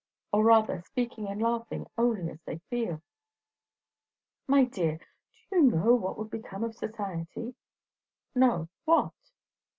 Or rather, speaking and laughing only as they feel." "My dear, do you know what would become of society?" "No. What?"